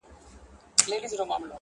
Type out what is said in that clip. نور مينه نه کومه دا ښامار اغزن را باسم